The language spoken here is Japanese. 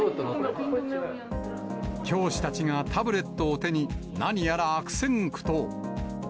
教師たちがタブレットを手に、何やら悪戦苦闘。